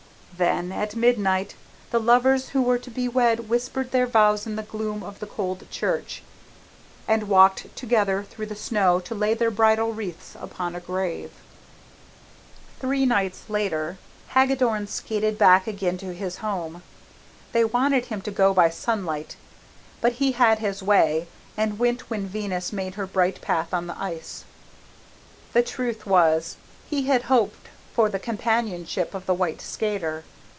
Then at midnight the lovers who were to wed whispered their vows in the gloom of the cold church, and walked together through the snow to lay their bridal wreaths upon a grave. Three nights later, Hagadorn skated back again to his home. They wanted him to go by sunlight, but he had his way, and went when Venus made her bright path on the ice. The truth was, he had hoped for the companionship of the white skater.